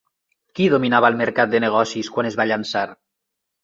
Qui dominava el mercat de negocis quan es va llançar?